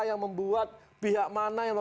yang membuat pihak mana yang